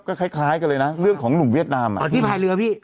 ก็คล้ายคล้ายกันเลยนะเรื่องของหนุ่มเวียดนามอ่ะพี่พายเรือพี่